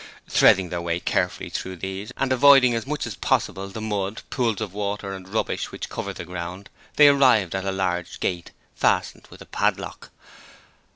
Threading their way carefully through these and avoiding as much as possible the mud, pools of water, and rubbish which covered the ground, they arrived at a large gate fastened with a padlock.